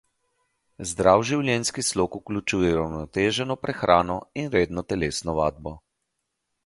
Zdrav življenjski slog vključuje uravnoteženo prehrano in redno telesno vadbo.